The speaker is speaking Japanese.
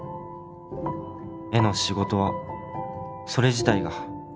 「絵の仕事はそれ自体が」